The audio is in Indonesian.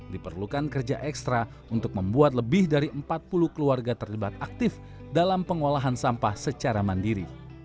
diperlukan kerja ekstra untuk membuat lebih dari empat puluh keluarga terlibat aktif dalam pengolahan sampah secara mandiri